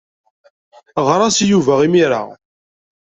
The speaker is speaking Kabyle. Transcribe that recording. Ɣer-as i Yuba imir-a.